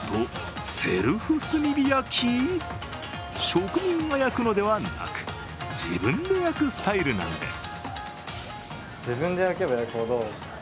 職人が焼くのではなく自分で焼くスタイルなんです。